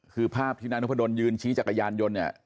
คือภาพที่นายนพดลยืนชี้จักรยานยนต์เนี่ย